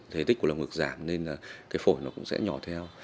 thể tích của lồng ngực giảm nên là cái phổi nó cũng sẽ nhỏ theo